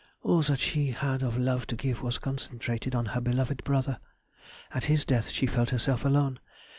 All that she had of love to give was concentrated on her beloved brother. At his death she felt herself alone.